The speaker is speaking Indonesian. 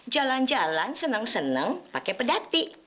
jalan jalan senang senang pakai pedati